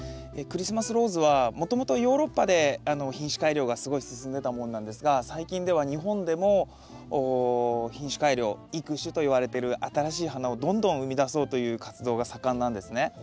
クリスマスローズはもともとヨーロッパで品種改良がすごい進んでたものなんですが最近では日本でも品種改良育種といわれてる新しい花をどんどん生みだそうという活動が盛んなんですね。